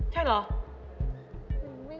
ใช่เหรอ